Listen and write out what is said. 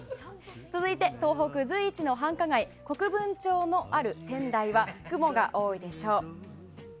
続いて東北随一の繁華街、国分町のある仙台は、雲が多いでしょう。